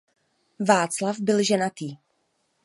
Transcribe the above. Václav byl ženatý.